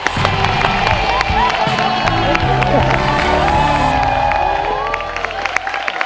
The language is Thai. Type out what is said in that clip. ถูกครับ